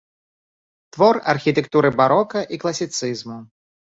Твор архітэктуры барока і класіцызму.